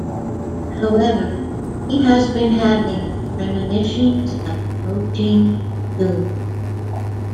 However, he has been having premonitions of approaching doom.